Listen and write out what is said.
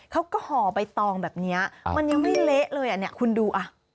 เขาก็ห่อใบตองแบบนี้มันยังไม่เละเลยคุณดู